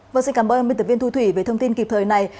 vâng xin cảm ơn biên tập viên thu thủy về thông tin kịp thời này